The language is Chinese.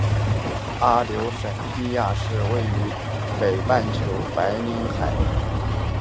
阿留申低压是位于北半球白令海邻近阿留申群岛在冬季所产生的半永久性低压系统。